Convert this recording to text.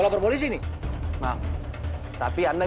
lepasin pak randy